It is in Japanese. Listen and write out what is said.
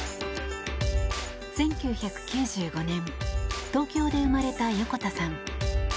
１９９５年東京で生まれた横田さん。